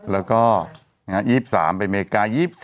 แล้วก็๒๓ไปเมกะ